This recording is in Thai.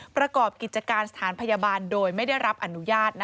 ประกอบกิจการสถานพยาบาลโดยไม่ได้รับอนุญาต